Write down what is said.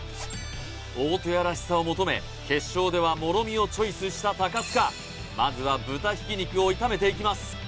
大戸屋らしさを求め決勝ではもろみをチョイスした高塚まずは豚ひき肉を炒めていきます